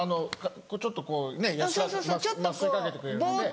ちょっとこうね麻酔かけてくれるので。